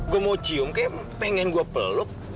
gue mau cium kayak pengen gue peluk